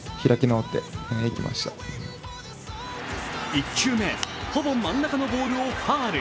１球目、ほぼ真ん中のボールをファウル。